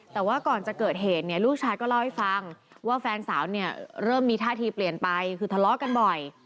แต่ว่าก่อนจะเกิดเหตุเนี่ยลูกชายก็เล่าให้ฟังว่าแฟนสาวเนี่ยเริ่มมีท่าทีเปลี่ยนไปคือทะเลาะกันบ่อย